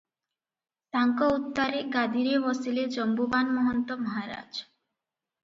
ତାଙ୍କ ଉତ୍ତାରେ ଗାଦିରେ ବସିଲେ ଜମ୍ବୁବାନ୍ ମହନ୍ତ ମହାରାଜ ।